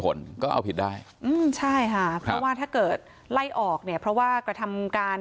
ผลก็เอาภิริะชัยค่ะถ้าเกิดไล่ออกไหนเพราะว่ากระทำการ